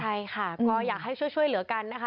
ใช่ค่ะก็อยากให้ช่วยเหลือกันนะคะ